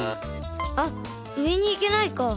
あっうえにいけないか。